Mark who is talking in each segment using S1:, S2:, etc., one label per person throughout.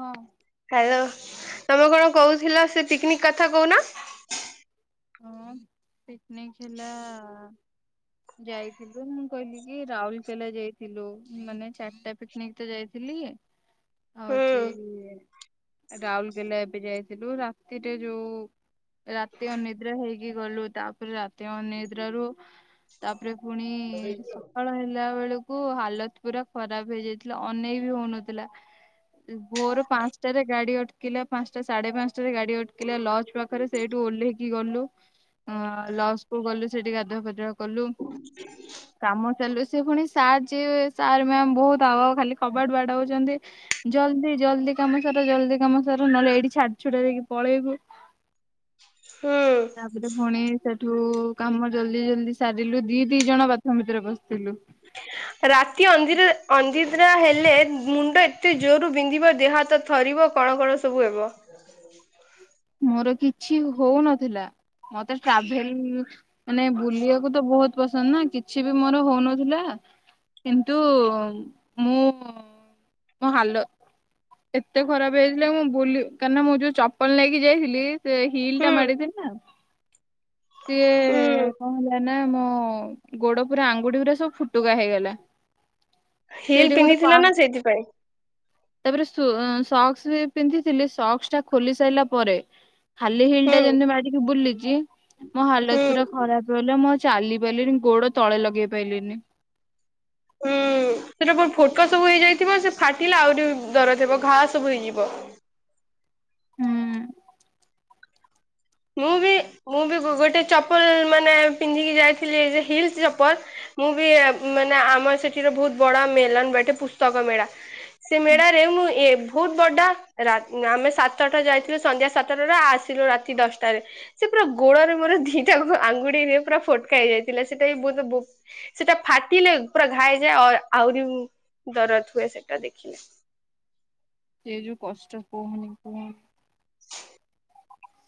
S1: ହଁ।
S2: ହ୍ୟାଲୋ ତମେ କଣ କହୁଥିଲ, ସେ ପିକନିକ୍ କଥା କହୁନ‌?
S1: ହଁ, ପିକନିକ୍ ଥିଲା ଯାଇଥିଲୁ। ମୁଁ କହିଲି କି ରାଉରକେଲା ଯାଇଥିଲୁ, ମାନେ ଚାରିଟା ପି ପିକନିକ ତ ଯାଇଥିଲି,
S2: ହୁଁ
S1: ହଉଚି ରାଉରକେଲା ଏବେ ଯାଇଥିଲୁ, ରାତିରେ ଯୋଉ ରାତି ଅନି ଅନିଦ୍ରା ହେଇକି ଗଲୁ, ତାପରେ ରାତି ଅନିଦ୍ରାରୁ ତାପରେ ପୁଣି, ସକାଳ ହେଲା ବେଳକୁ କୁ ହାଲତ ପୁରା ଖରାପ ହେଇଯାଇଥିଲା, ଅନେଇ ବି ହଉନଥିଲା। ଭୋର ପାଞ୍ଚଟାରେ ଗାଡି ଅଟକିଲା ପାଞ୍ଚଟା ସାଢେ ପାଞ୍ଚଟାରେ ଗାଡି ଅଟକିଲା, ଲଜ ପାଖ ପାଖରେ ସେଇଠୁ ଓହ୍ଲେଇକି ଗଲୁ, ଲଜ କୁ ଗଲୁ, ସେଠିକି ଗାଧୁଆ ଫାଧୁଆ କଲୁ।
S2: ହ [inaudible]
S1: କାମ ଚାଲୁ ସେ ପୁଣି ସାର୍ ଯିଏ ସାର୍, ମାମ୍ ବହୁତ ଆଉ ଖାଲି କବାଟ ବାଡଉଚନ୍ତି ଜଲ୍ଦି ଜଲ୍ଦି କାମ ସାର, ଜଲଦି କାମ ସାର ନହେଲେ ଏଇଠି ଛାଡି ଛୁଡି ଦେଇ ପଳେଇବୁ।
S2: ହୁଁ
S1: ତାପରେ ପୁଣି ସେ ହେଠୁ କାମ ଜଲ୍ଦି ଜଲଦି ସାରିଲୁ, ଦି ଦି ଜଣ ବାଥ୍ ରୁମ୍ ଭିତରେ ପସିଥିଲୁ।
S2: ରାତି ଅନ୍ଧି ଅନିଦ୍ରାହେଲେ ମୁଣ୍ଡ ଏତେ ଜୋର ବିନ୍ଧିବ, ଦେହ ହାତ ଥରିବ, କଣ କଣ ସବୁ ହେବ।
S1: ମୋର କିଛି ହୋଉନଥିଲା, ମତେ ଟ୍ରାଭେଲ ମାନେ ବୁଲିଆକୁ ତ ବହୁତ ପସନ୍ଦ ନା, କିଛି ବି ମୋର ହୋଉନଥିଲା କିନ୍ତୁ ମୁଁ ମୋ ହାଲତ, ଏତେ ଖରାପ ହେଇଥିଲା ମୁଁ ବୁଲି କାହିଁକି ନା ମୁଁ ଯୋଉ ଚପଲ ନେଇ କି ଯାଇଥିଲି ସେ ହିଲ୍
S2: ହୁଁ
S1: ଟା ମାଡିଥିଲି ନାଁ। ସିଏ
S2: ହୁଁ
S1: କଣ ହେଲା ନା, ମୋ ଗୋଡ ପୁରା ଆଙ୍ଗୁଠି ଗୁରା ପୁରା ସବୁ ଫୁ ଫୁଟୁକା ହେଇଗଲା,
S2: ହିଲ୍
S1: ସେଇଠି ଗୋଟେ ପା
S2: ପିନ୍ଧିଥିଲ ନା ସେଇଥିପାଇଁ
S1: ତାପରେ ସକ୍ସ ବି ପିନ୍ଧିଥିଲି, ସକ୍ସ ଟା ଖୋଲି ସାରିଲା ପରେ ଖାଲି ହିଲ୍
S2: ହୁଁ
S1: ଟା ଯେମିତି ମାଡିକି ବୁଲିଛି ମୋ ହାଲତ
S2: ହୁଁ
S1: ପୁରା ଖରାପ ହେଲା ମୁଁ ଚାଲି ପାରିଲିନି ଗୋଡ ତଳେ ଲଗେଇ ପାଈଲିନି।
S2: ହୁଁ ସେଟା ଫୋଟକା ସବୁ ହେଇଯାଇଥିବ ସେ ଫାଟିଲେ ଆହୁରି ଦର ଥବ ଘା ସବୁ ହେଇଯିବ।
S1: ହୁଁ।
S2: ମୁଁ ବି ମୁଁ ବି ଗୋଟେ ଚପଲ ମାନେ ପିନ୍ଧିକି ଯାଇଥିଲି ଯେ ହିଲ୍ ଚପଲ। ମୁଁ ବି ମାନେ ଆମର ସେଠିରେ ବହୁତ ବଡ ମେଲନ ଗୋଟେ ପୁସ୍ତକ ମେଳା। ସେ ମେଳା ରେ ମୁଁ ଏ ବହୁତ ବଡା ରା ଆମେ ସାତଟା ଯାଇଥିଲୁ ସନ୍ଧ୍ୟା ସାତଟା ଆସିଲୁ ରାତି ଦଶ ଟା ରେ ସେ ପୁରା ଗୋଡରେ ମୋର ଦିଟା ଆଙ୍ଗୁଡିରେ ପୁରା ଫୋଟକା ହେଇଯାଇଥିଲା ସେଇଟା ବି ବହୁତ ସେଟା ଫାଟିଲେ ପୁରା ଘାଇଯାଏ ଆ ଆହୁରି ଦରଦ ହୁଏ ସେଟା ଦେଖିଲେ।
S1: ସେ ଯୋଉ କଷ୍ଟ କହୁନି କୁହନି।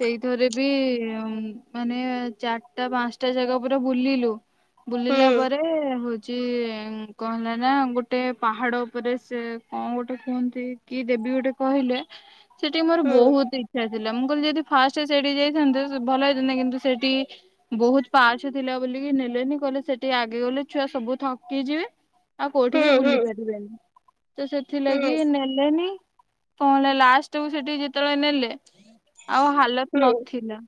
S1: ସେଇଥରେ ବି ମାନେ ଚାରିଟା ପାଞ୍ଚଟା ଜାଗା ପୁରା ବୁଲିଲୁ।
S2: ହୁଁ
S1: ବୁଲିଲା ପରେ ହଉ ଚି କଁ ହେଲା ନା ଗୋଟେ ପାହାଡ ଉପରେ ସେ କଣ ଗୋଟେ କୁହନ୍ତି? କି ଦେବୀ ଗୋଟେ କହିଲେ ସେଠିକି ମୋର
S2: ହୁଁ
S1: ବହୁତ ଇଚ୍ଛା ଥିଲା ମୁଁ କହିଲି ଯଦି ଫାଷ୍ଟ ସେଠି ଯାଇଥାନ୍ତେ ଭଲ ହେଇଥାନ୍ତତା କିନ୍ତୁ ସେଠି ବହୁତ ପାଛ ଥିଲା ବୋଲିକି ନେଲେନି କହିଲେ ସେଠି ଆଗେ ଗଲେ ଛୁଆ ସବୁ ଥକି ଯିବେ। ଆଉ କୋଉଠି
S2: ହୁଁ
S1: ବି ବୁଲି
S2: ହୁଁ
S1: ପାରିବେନି ତ
S2: ହୁଁ
S1: ସେଥିଲାଗି ନେ ଲେନି କଣ ଲାଷ୍ଟ କୁ ସେଠି ଯେତେବେଳେ ନେଲେ ଆଉ ହାଲତ
S2: ହୁଁ
S1: ନଥିଲା।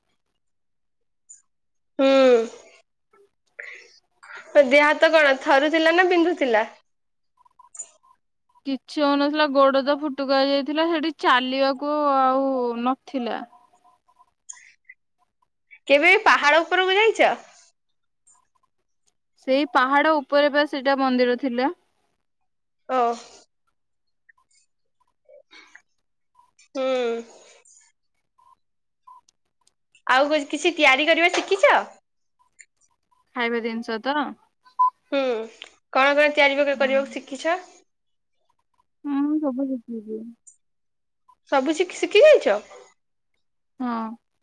S2: ହୁଁ, ଦେହ ହାତ କଣ ଥରୁଥିଲା ନା ବିନ୍ଧୁଥିଲା?
S1: କିଛି ହଉନଥିଲା ଗୋଡ ତ ଫୁଟୁକା ଯାଇଥିଲା ସେଠି ଚାଲିବାକୁ ଆଉ ନଥିଲା।
S2: କେବେ ଏ ପାହାଡ ଉପରକୁ ଯାଇଛ?
S1: ସେଇ ପାହାଡ ଉପରେ ବା ସେଇଟା ମନ୍ଦିର ଥିଲା।
S2: ଓ। ହୁଁ। ଆଉ କିଛି ତିଆରି କରିବା ଶିଖିଛ?
S1: ଖାଇବା ଜିନିଷ ତ?
S2: ହୁଁ କଣ କଣ ତିଆରିକ କରିବାକୁ ଶିଖିଛ?
S1: ହଁ ମୁଁ ସବୁ ଶିଖିଛି।
S2: ସବୁ ଶିକି ଶିଖି ଯାଇଚ?
S1: ହଁ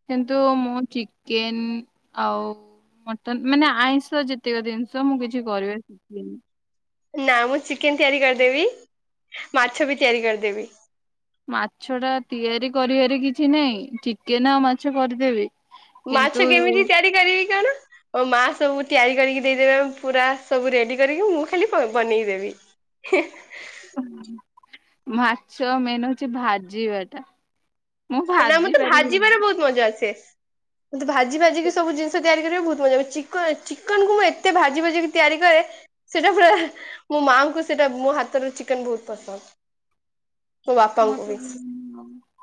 S1: କିନ୍ତୁ ମୁଁ ଚିକେନ ଆଉ ମଟନ ମାନେ ଆଇଁଷ ଯେତକ ଜିନିଷ ମୁଁ କିଛି କରିବା ଶିଖିନି।
S2: ନା ମୁଁ ଚିକେନ ତିଆରି କରିଦେବି ମାଛ ବି ତିଆରି କରିଦେବି।
S1: ମାଛ ଟା ତିଆରି କରିବାରେ କିଛି ନାହିଁ ଚିକେନ ଆଉ ମାଛ କରିଦେବି। କିନ୍ତୁ
S2: ମାଛ କେମିତି ତିଆରି କରିବି କଣ? ଓ ମା ସବୁ ତିଆରି କରିକି ଦେଇଦେବେ ଆ ପୁରା ସବୁ ରେଡି କରିକି ମୁଁ ଖାଲି ବନେଇ ଦେବି। [unintelligible]
S1: ମାଛ ମେନ୍ ହଉଛି ଭାଜିିବାଟା।
S2: ନା ମତେ ଭାଜିବା ରେ ବହୁତ ମଜା ଆସେ ମୁତ ଭାଜି ଭାଜିିକି ସବୁ ଜିନିଷ ତିଆରି କରିବା ବହୁତ ମଜା ହ ଚନ ଚିକନକୁୁ ମୁଁ ଏତେ ଭାଜି ଭାଜିିକି ତିଆରି କରେ। ସେଟା ପୁରା ମୋ ମାଆଙ୍କୁ ସେଟା ମୋ ହାତର ଚିକେନ ବହୁତ ପସନ୍ଦ। ମୋ ବାପାଙ୍କୁ ବି
S1: [unintelligible]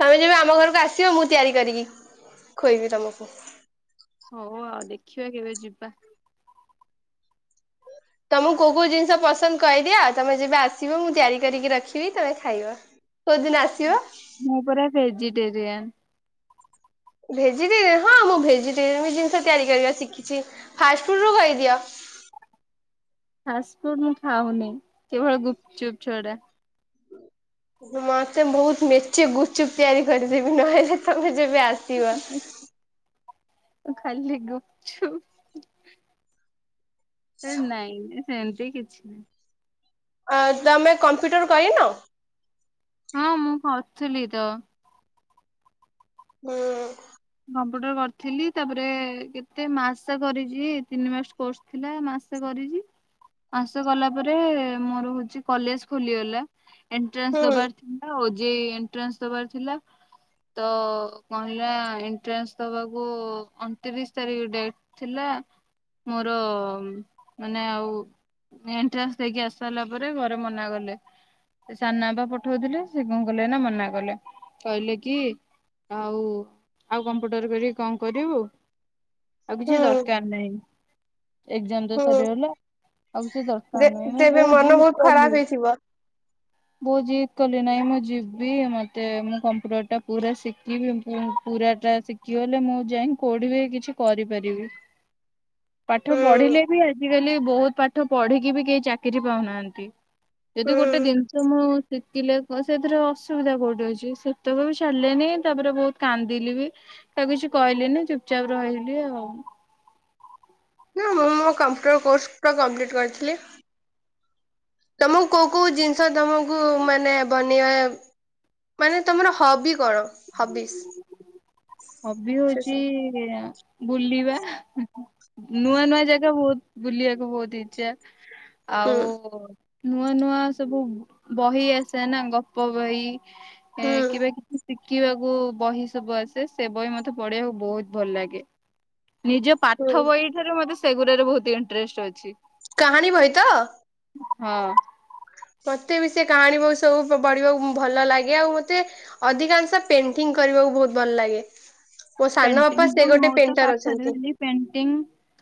S2: ତମେ ଯେବେ ଆମ ଘରକୁ ଆସିବ ମୁଁ ତିଆରି କରିକି ଖୋଇବି ତମକୁ।
S1: ହଉ ଆଉ ଦେଖିବା କେବେ ଯିବା।
S2: ତମକୁ କୋଉ କୋଉ ଜିନିଷ ପସନ୍ଦ କହିଦିଅ ଆଉ ତମେ ଯେବେ ଆସିବ ମୁଁ ତିଆରି କରିକି ରଖିବି ତମେ ଖାଇବ। କୋଉଦିନ ଆସିବ?
S1: ମୁଁ ପରା ଭେଜିଟେରିଆନ୍।
S2: ଭେଜିଟେରିୟନ୍ ହଁ, ମୁଁ ଭେଜିଟେରିୟନ୍ ଜିନିଷ ତିଆରି କରିବା ଶିଖିଛି। ଫାଷ୍ଟଫୁଡ୍ ରୁ କହିଦିଅ।
S1: ଫାଷ୍ଟଫୁଡ୍ ମୁଁ ଖାଉନି, କେବଳ ଗୁପଚୁପ୍ ଛଡା।
S2: ମତେ ବହୁତ ମେଚେ ଗୁଚୁପ୍ ତିଆରି କରିଦେବି, ନହେଲେ ତମେ ଯେବେ ଆସିବ।
S1: ହ ଖାଲି ଗୁପ୍ ଚୁପ୍ ନାଇଁ ନେ ହେନ୍ତି କିଛି ନାଇଁ।
S2: ଅଁ ତମେ କମ୍ପ୍ୟୁଟର କରିନ?
S1: ହଁ, ମୁଁ କରିଥିଲି ତ!
S2: ହଁ।
S1: କମ୍ପ୍ୟୁଟର କରିଥିଲି। ତା'ପରେ କେତେ ମାସ କରିଛି ତିନି ମାସ କୋର୍ସ। ଥିଲା ମାସେ କରିଚି, ମାସେ କଲା ପରେ ମୋର ହଉଚି କଲେଜ୍ ଖୋଲିଗଲା। ଏଣ୍ଟ୍ରାନ୍ସ
S2: ହୁଁ
S1: ଦବାର ଥିଲା ଓ ଜେ ଇ ଏଣ୍ଟ୍ରାନ୍ସ ଦବାର ଥିଲା। ତ, କହିଲା ଏନ୍ ଏଣ୍ଟ୍ରାନ୍ସ ଦବାକୁ ଅଣତିରିଶ ତାରିଖ ଡେଟ୍ ଥିଲା। ମୋର ମାନେ ଆଉ ଏଣ୍ଟ୍ରାନ୍ସ ଦେଇକି ଆସି ସାରିଲା ପରେ, ଘରେ ମନା ଗଲେ। ସେ ସାନା ଆପା ପଠଉଥିଲେ, ସେ କଣ କଲେ ନା, ମନା କଲେ। କହିଲେ କି ଆଉ। ଆଉ କମ୍ପ୍ୟୁଟର କରିକି କଁ କରିବୁ? ଆଉ କିଛି
S2: ହୁଁ
S1: ଦରକାର ନାହିଁ। ଏକ୍ଜାମ୍ ତ
S2: ହୁଁ
S1: ସରିଗଲା ଆଉ କିଛି
S2: ଦେ
S1: ଦରକାର ନାହିଁ। ମୁଁ
S2: ତେବେ
S1: ବହୁତ
S2: ମନ
S1: ଜିଦ୍
S2: ଖରାପ
S1: କଲି।
S2: ହେଇଥିବ।
S1: ବହୁତ ଜିଦ୍ କଲି। ନାଇଁ, ମୁଁ ଯିବି ମତେ ମୁଁ କମ୍ପ୍ୟୁଟର ଟା ପୁରା ଶିଖିବି। ମୁଁ ପୁରା ଟା ଶିଖ୍ କି ଲେ ମୁଁ ଯାଇଁ କୋଉଠି ବି କିଛି କରିପାରିବି। ପାଠ
S2: ହୁଁ
S1: ପଢିଲେ ବି ଆଜିକାଲି ବହୁତ ପାଠ ପଢିକି ବି କେହି ଚାକିରିୀ ପାଉନାହାଁନ୍ତି। ଯଦି ଗୋଟେ
S2: ହୁଁ
S1: ଦିନ୍ ଶିଖିଲେ ସେଥିରେ ଅସୁବିଧା କୋଉଠି ଅଛି, ସେତକ ବି ଛାଡିଲେନି। ତା'ପରେ ବହୁତ କାନ୍ଦିଲି ବି। ସେ ଆଉ କିଛି କହିଲିନି, ଚୁପ୍ ଚାପ୍ ରହିଲି ଆଉ।
S2: ନାଁ, ମୁଁ ମୋ କମ୍ପ୍ୟୁଟର କୋର୍ସ ତ କମ୍ପ୍ଲିଟ୍ କରିଥିଲି। ତମକୁ କୋଉ କୋଉ ଜିନିଷ ତମକୁ ମାନେ ବନିଆ ମାନେ ତମର ହବି କଣ ହବିସ୍?
S1: ହବି
S2: ସେ ସବୁ
S1: ହଉଛି-ଇଁ ବୁଲିବା। ନୂଆ ନୂଆ ଜାଗା ବହୁତ୍ ବୁଲିଆକୁ ବହୁତ୍ ଇଛା।
S2: ହୁଁ
S1: ଆଉ ନୂଆ ନୂଆ ସବୁ ବହି ଆସେ ନା, ଗପ ବହି
S2: ହୁଁ
S1: କେବେ କିଛି ଶିଖିବାକୁ ବହି ସବୁ ଆସ୍ ସେ ବହି ମତେ ପଢିବାକୁ ବହୁତ ଭଲ ଲାଗେ। ନିଜ
S2: ହୁଁ
S1: ପାଠ ବହି ଠାରୁ ମତେ ସେଗୁରାରେ ବହୁତ ଇନ୍ ଟ୍ରେଷ୍ଟ ଅଛି।
S2: କାହାଣୀ ବହି ତ?
S1: ହଁ।
S2: ମୋତେ ବି ସେ କାହାଣୀ ବହି ସବୁ ପଢ଼ିବାକୁ ଭଲ ଲାଗେ। ଆଉ ମତେ ଅଧିକାଂଶ ପେଣ୍ଟିଂ କରିବାକୁ ବହୁତ ଭଲ ଲାଗେ। ମୋ ସାନ
S1: ପେଣ୍ଟିଂ
S2: ବାପା ସେ
S1: ତ ମୁଁ
S2: ଗୋଟେ
S1: ତ
S2: ପେଣ୍ଟର
S1: ପାଠରେ
S2: ଅଛନ୍ତି।
S1: ଖାଲି ପେଣ୍ଟିଂ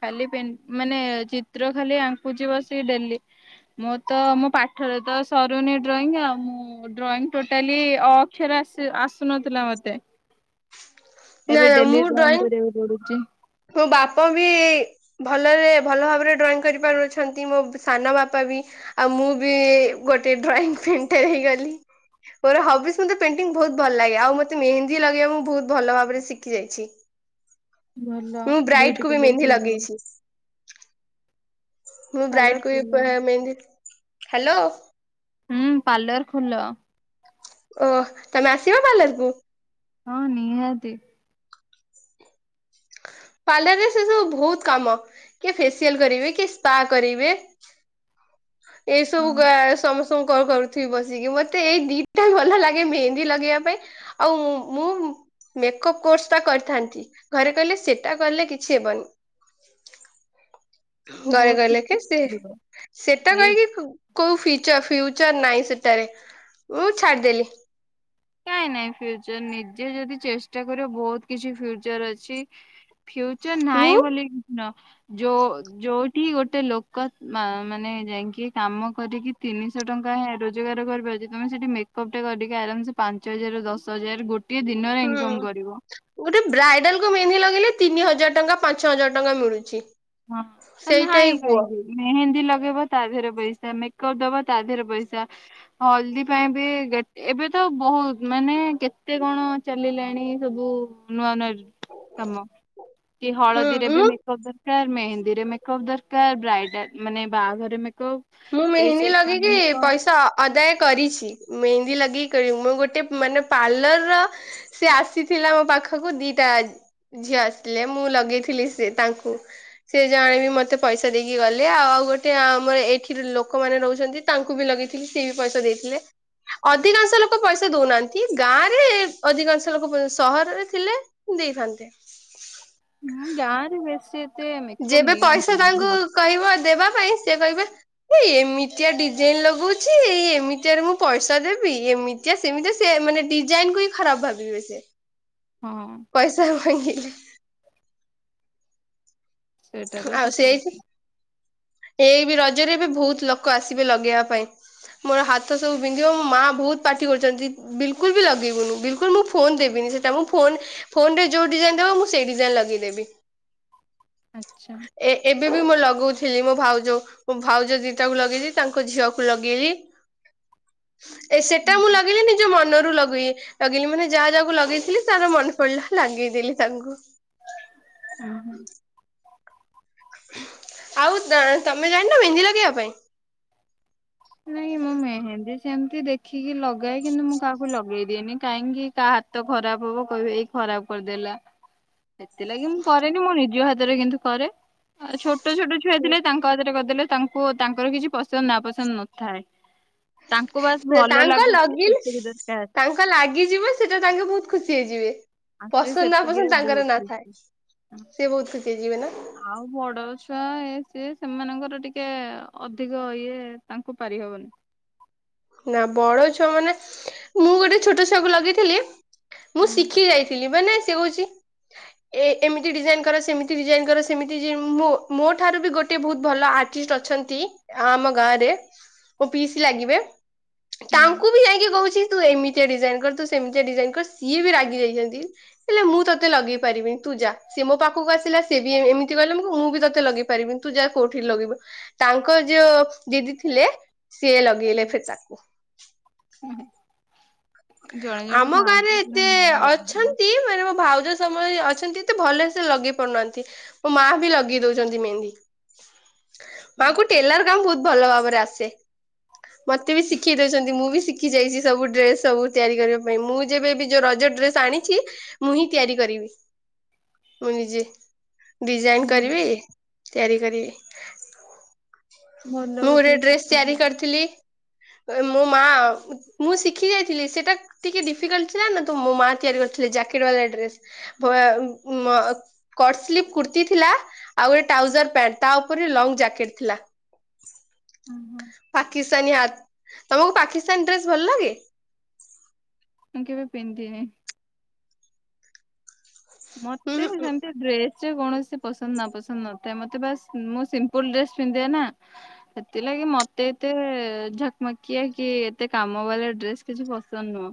S1: ଖାଲି ପେନ୍ ମାନେ ଚିତ୍ର ଖାଲି ଆଙ୍କୁଛି ବସିକି ଡେଲି। ମୁଁ ତ ମୋ ପାଠରେ ତ ସରୁନି ଡ୍ରଇଂ। ଆଉ ମୁଁ ଡ୍ରଇଂ ଟୋଟାଲି ଅ ଖେରେ ଆସେ ଆସୁନଥିଲା ମତେ।
S2: ନା
S1: ଏବେ
S2: ନା
S1: ଡେଲି
S2: ମୁଁ
S1: ଡ୍ରଇଂ କରିବାକୁ ପଡୁଚି।
S2: ମୋ ବାପ ବି। ଭଲରେ ଭଲ ଭାବରେ ଡ୍ରଇଂ କରିପାରୁଛନ୍ତି ମୋ ସାନ ବାପା ବି। ଆଉ ମୁଁ ବି ଗୋଟେ ଡ୍ରଇଂ ପ୍ରିଣ୍ଟ ହେଇଗଲି। ମୋର ହବିସ୍ ମତେ ପେଣ୍ଟିଙ୍ଗ ବହୁତ ଭଲ ଲାଗେ ଆଉ ମତେ ମେହେନ୍ଦୀ ଲଗେଇବା ମୁଁ ବହୁତ ଭଲ ଭାବରେ ଶିଖି ଯାଇଛି।
S1: ଭଲ
S2: ମୁଁ ବ୍ରାଇଟ୍
S1: ବିୟୁଟି
S2: କୁ ବି
S1: ପାର୍ଲର
S2: ମେହେନ୍ଦୀ
S1: ଖୋଲିଦବ।
S2: ଲଗେଇଛି ମୁଁ
S1: ପାର୍ଲର
S2: ବ୍ରାଇଡକୁ ବି
S1: ଖୋଲିଦବ।
S2: କୁହେ ମେହେନ୍ଦୀ ହାଲୋ।
S1: ହୁଁ ପାର୍ଲର ଖୋଲ।
S2: ଓ ତମେ ଆସିବ ପାର୍ଲର କୁ।
S1: ହଁ ନିହାତି।
S2: ପାର୍ଲରରେ ସେ ସବୁ ବହୁତ କାମ କିଏ ଫେସିଆଲ କରିବେ କିଏ ସ୍ପା କରିବେ। ଏଇ ସବୁ
S1: ହଁ
S2: ଗା ସମ ସ୍ତଙ୍କକର କରୁଥିବି ବସିକି ମତେ ଏଇ ଦିଟା ଭଲ ଲାଗେ ମେହେନ୍ଦୀ ଲଗେଇବା ପାଇଁ। ଆଉ ମୁଁ ମୁଁ ମେକଅପ କୋର୍ସ ଟା କରିଥାନ୍ତି। ଘରେ କହିଲେ ସେଟା କଲେ କିଛି ହେବନି। ଘରେ
S1: ବହୁତ
S2: କହିଲେ କେ
S1: କିଛି
S2: ସେ
S1: ମିଳିବ।
S2: ସେଟା
S1: ଏଇ
S2: କରିକି କୋଉ ଫିଚ ଫ୍ୟୁଚର ନାହିଁ ସେଟାରେ ମୁଁ ଛାଡିଦେଲି।
S1: ନାଇଁ ନାଇଁ ଫ୍ୟୁଚର ନିଜେ ଯଦି ଚେଷ୍ଟା କରିବ ବହୁତ କିଛି ଫ୍ୟୁଚର ଅଛି। ଫ୍ୟୁଚର
S2: ମୁଁ
S1: ନାହିଁ ବୋଲି ନୁହ। ଯୋଉ ଯୋଉଠି ଗୋଟେ ଲୋକ ମା ମାନେ ଯାଇଁକି କାମ କରିକି। ତିନିଶହ ଟଙ୍କା ରୋଜଗାର କରିପାରୁଚି ତମେ ସେଠି ମେକଅପଟା କରିକି ଆରାମ ସେ। ପାଞ୍ଚ ହଜାର ରୁ ଦଶ ହଜାର ଗୋ
S2: ହୁଁ। ଗୋଟେ ବ୍ରାଇଡାଲ କୁ ମେହେନ୍ଦି ଲଗେଇଲେ ତିନି ହଜାର ଟଙ୍କା, ପାଞ୍ଚ ହଜାର ଟଙ୍କା ମିଳୁଛି।
S1: ହଁ ତ
S2: ସେଇଟା ହିଁ
S1: ନାହିଁ
S2: କୁହ
S1: କାହିଁକି। ମେହେନ୍ଦୀ ଲଗେଇବ ତା ଦେହରେ ପଇସା ମେକଅପ୍ ଦବ ତା ଦେହରେ ପଇସା। ହଳଦୀ ପାଇଁ ବି ଗେ ଏବେ ତ ବହୁତ ମାନେ କେତେ କଣ। ଚାଲିଲାଣି ସବୁ ନୂଆ ନୂଆ କାମ କି
S2: ହୁଁ
S1: ହଳଦୀରେ ବି
S2: ମୁଁ
S1: ମେକଅପ କାର ମେହେନ୍ଦୀରେ ମେକଅପ ଦରକାର ବ୍ରାଇଡା ମାନେ ବାହାଘରେ ମେକଅପ।
S2: ମୁଁ ମେହେନ୍ଦି ଲଗେଇକି ପଇସ ଅଦାୟ କରିଛି ମେହେନ୍ଦି ଲଗେଇକି ମୁଁ ଗୋଟେ ମାନେ ପାର୍ଲରର। ସେ ଆସିଥିଲା ମୋ ପାଖକୁ ଦିଟା। ଝିଅ ଆସିଥିଲେ ମୁଁ ଲଗେଇଥିଲି ସେ ତାଙ୍କୁ। ସେ ଜଣେ ବି ମତେ ପଇସା ଦେଇକି ଗଲେ ଆଉ ଗୋଟେ ଆମର ଏଠି। [unintelligible] ଲୋକମାନେ ରହୁଛନ୍ତି ତାଙ୍କୁ ବି ଲଗେଇଥିଲି ସିଏ ବି ପଇସା ଦେଇଥିଲେ। ଅଧିକାଂଶ ଲୋକ ପଇସା ଦଉନାହାନ୍ତି ଗାଁରେ ଅଧିକାଂଶ ଲୋକ ପ ସହରରେ ଥିଲେ। ଦେଇଥାନ୍ତେ।
S1: ନାଇ ଗାଁ ରେ ବେଶୀ ଏତେ ମେକଅପ
S2: ଯେବେ ପଇସା
S1: ନିଅନ୍ତିନି
S2: ତାଙ୍କୁ
S1: ଗୋ
S2: କହିବ ଦେବା ପାଇଁ ସେ କହିବେ। ଏ ଏମିତିଆ ଡିଜାଇନ ଲଗଉଛି ଏମିତିଆରେ ମୁଁ ପଇସା ଦେବି ଏମି ତିଆ ସେମିତିଆ ସେ ମାନେ ଡିଜାଇନ କୁ ହିଁ ଖରାପ ଭାବିବେ ସେ।
S1: ହଁ।
S2: ପଇସା ମାଗିଲେ।
S1: ସେଇଟା ତ
S2: ଆଉ
S1: ସତ
S2: ସେଇଠି ଏଇ ବି ରଜରେ ବି ବହୁତ ଲୋକ ଆସିବେ ଲଗେଇବା ପାଇଁ। ମୋର ହାତ ସବୁ ବିନ୍ଧିବ ମୋ ମା ବହୁତ ପାଟି କରୁଚନ୍ତି ବିଲକୁଲ ବି ଲଗେଇବୁନୁ। ବିଲକୁଲ ମୁଁ ଫୋନ ଦେବିନି। ସେ ଟା ମୁଁ ଫୋନ ଫୋନ ରେ ଯୋଉ ଡିଜାଇନ ଦବ ମୁଁ ସେଇ ଡିଜାଇନ ଲଗେଇଦେବି।
S1: ଆଚ୍ଛା
S2: ଏ ଏବେ ବି ମୁଁ ଲଗାଉଥିଲି ମୋ ଭାଉଜକୁ। ଭାଉଜ ଦିଟା କୁ ଲଗେଇଲି, ତାଙ୍କ ଝିଅକୁ ଲଗେଇଲି। ଏ
S1: ଉଁ
S2: ସେଟା ମୁଁ ଲଗେଇଲିନି। ନିଜ ମନରୁ ଲଗୁଏ ଲଗେଇଲି ମାନେ ଯାହା ଯାହାକୁ ଲଗେଇଥିଲି ତାର ମନେ ପଡିଲା ଲଗେଇଦଲି ତାଙ୍କୁ।
S1: ହଁ ହଁ
S2: ଆଉ ତମେ ଜାଣିନ ମେହେନ୍ଦି ଲଗେଇବା ପାଇଁ?
S1: ନାଇଁ ମୁଁ ମେହେନ୍ଦି ସେମତି ଦେଖିକି ଲଗାଏ, କିନ୍ତୁ ମୁଁ କାହାକୁ ଲଗେଇଦିଏନି। କାହିଁକି କାହା ହାତ ଖରାପ ହବ କହିବେ ଏଇ ଖରାପ କରିଦେଲା। ସେଥିଲାଗି ମୁଁ କରେନି ମୋ ନିଜ ହାତରେ କିନ୍ତୁ କରେ। ଆଉ ଛୋଟ ଛୋଟ ଛୁଆ ଥିଲେ ତାଙ୍କ ହାତରେ କରିଦେଲେ ତାଙ୍କୁ ତାଙ୍କର କିଛି ପସନ୍ଦ ନା ପସନ୍ଦ ନଥାଏ। ତାଙ୍କୁ ବାସ ଭଲ
S2: ତାଙ୍କ
S1: ଲାଗୁଛି
S2: ଲଗିଲେ
S1: ସେତିକି ଦରକାର।
S2: ତାଙ୍କ ଲାଗିଯିବ ସେଟା ତାଙ୍କେ ବହୁତ ଖୁସି ହେଇଯିବେ
S1: ଆଉ ସେ
S2: ପସନ୍ଦ ନା
S1: ସେତିକିରେ
S2: ପସନ୍ଦ ତାଙ୍କର
S1: ବହୁତ
S2: ନାଥାଏ।
S1: ଖୁସି।
S2: ସିଏ ବହୁତ ଖୁସି ହେଇ ଯିବେ ନା?
S1: ଆଉ ବଡ ଛୁଆ ଏ ସିଏ ସେମାନଙ୍କର ଟିକେ ଅଧିକ ଇଏ ତାଙ୍କୁ ପାରିହବନି।
S2: ନା ବଡ ଛୁଆ ମାନେ ମୁଁ ଗୋଟେ ଛୋଟ ଛୁଆକୁ ଲଗେଇଥିଲି ମୁଁ
S1: ହୁଁ
S2: ଶିଖି ଯାଇଥିଲି ମାନେ ସେ କହୁଛି ଏ ଏମିତି ଡିଜାଇନ କର ସେମିତି ଡିଜାଇନ କର ସେମିତି ମୋ ଠାରୁ ବି ଗୋଟେ ବହୁତ ଭଲ ଆର୍ଟ ଟିଷ୍ଟ ଅଛନ୍ତି ଆମ ଗାଁରେ ମୋ ପିଇସି ଲାଗିବେ। ତାଙ୍କୁ
S1: ହୁଁ
S2: ବି ଯାଇକି କହୁଛି ତୁ ଏମିତିଆ ଡିଜାଇନ କର ତୁ ସେମିତିଆ ଡିଜାଇନ କର ସିଏ ବି ରାଗି ଯାଇଛନ୍ତି। ହେଲେ ମୁଁ ତତେ ଲଗେଇ ପାରିବିନି ତୁ ଯା ସେ ମୋ ପାଖକୁ ଆସିଲା ସେ ବି ଏମିତି କହିଲେ ମୁ ମୁଁ ବି ତତେ ଲଗେଇ ପାରିବିନି ତୁ ଯାହା କୋଉଠି ଲଗେଇବୁ ତାଙ୍କ ଯଉ ଦିଦି ଥିଲେ ସିଏ ଲଗେଇଲେ ଫେର ତାକୁ।
S1: ହୁଁ
S2: ଆମ ଗାଁ ରେ ଏତେ
S1: ଖରାପ କରିଦିଅନ୍ତି।
S2: ଅଛନ୍ତି ମାନେ ମୋ ଭାଉଜ ସମୟ ଅଛନ୍ତି ଏତେ ଭଲସେ ଲଗେଇ ପାରୁନାହାନ୍ତି। ମୋ ମା ବି ଲଗେଇ ଦଉଛନ୍ତି ମେହେନ୍ଦୀ। ମାଙ୍କୁ ଟେଲର କାମ ବହୁତ ଭଲ ଭାବରେ ଆସେ। ମତେ ବି ଶିଖେଇ ଦଉଛନ୍ତି ମୁଁ ବି ଶିଖି ଯାଇଛି ସବୁ ଡ୍ରେସ ସବୁ। ତିଆରି କରିବା ପାଇଁ ମୁଁ ଯେବେ ବି ଯୋଉ ରଜ ଡ୍ରେସ ଆଣିଚି ମୁଁ ହିଁ ତିଆରି କରିବି। ମୁଁ ନିଜେ ଡିଜାଇନ
S1: ଭଲ
S2: କରିବି ତିଆରି କରିବି।
S1: ଭଲ
S2: ମୁଁ ଗୋଟେ
S1: କଥା
S2: ଡ୍ରେସ
S1: ଶିଖିଲି
S2: ତିଆରି
S1: ଆଉ
S2: କରିଥିଲି। ମୋ ମା ମୁଁ ଶିଖି ଯାଇଥିଲି ସେଟା ଟିକେ ଡିଫିକଲଟ ଥିଲା। ନା ତ ମୋ ମା ତିଆରି କରିଥିଲେ ଜାକେଟ ବା ଡ୍ରେସ୍। ଭ [unintelligible] କଟସ୍ଲିପ୍ କୁର୍ତୀ ଥିଲା, ଆଉ ଗୋଟେ ଟ୍ରାଉଜର ପ୍ୟାଣ୍ଟ ତା ଉପରେ ଲଙ୍ଗ୍ ଜ୍ୟାକେଟ୍ ଥିଲା।
S1: ହଁ ହଁ
S2: ପାକିସ୍ତାନୀ ହାତ ତମକୁ ପାକିସ୍ତାନୀ ଡ୍ରେସ ଭଲ ଲାଗେ?
S1: ମୁଁ କେବେ ପିନ୍ଧିନି। ମତେ
S2: ହୁଁ
S1: ସେମିତି ଡ୍ରେସ୍ ସେ କୌଣସି ପସନ୍ଦ ନା ପସନ୍ଦ ନଥାଏ। ମତେ ବାସ୍ ମୁଁ ସିମ୍ପୁଲ ଡ୍ରେସ ପିନ୍ଧେ ନା। ସେଥିଲାଗି ମତେ ଏତେ ଝକମାକିଆ କି ଏତେ କାମ ବାଲା ଡ୍ରେସ କିଛି ପସନ୍ଦ ନୁହଁ।